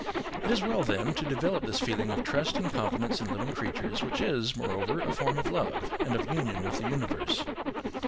It is well then, to develop this feeling of trust and confidence in living creatures, which is, moreover, a form of love, and of union with the universe.